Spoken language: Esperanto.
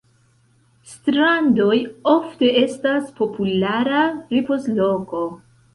Strandoj ofte estas populara ripozloko.